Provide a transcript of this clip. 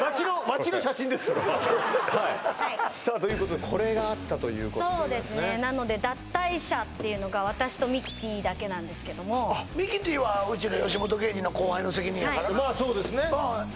それはいさあということでこれがあったということでそうですねなので脱退者っていうのが私とミキティだけなんですけどもミキティはうちの吉本芸人の後輩の責任やからまあそうですねんや